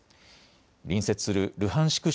隣接するルハンシク